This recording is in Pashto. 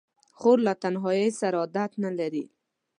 خور له تنهایۍ سره عادت نه لري.